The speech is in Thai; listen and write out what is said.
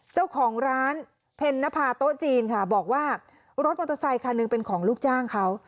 เจ้าของร้านเพ็ญนภาโต๊ะจีนค่ะบอกว่ารถมอเตอร์ไซคันหนึ่งเป็นของลูกจ้างเขา